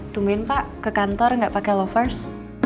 tungguin pak ke kantor nggak pakai lovers